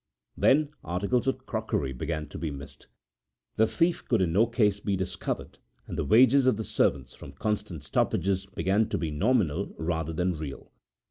Then articles of crockery began to be missed. The thief could in no case be discovered, and the wages of the servants, from constant stoppages, began to be nominal rather than real.